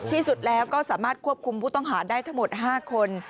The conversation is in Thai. ที่สุดแล้วก็สามารถควบคุมผู้ต้องหาได้ทั้งหมด๕คน